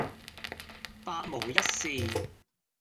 百無一是